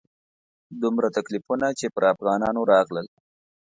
دومره تکلیفونه چې پر افغانانو راغلل.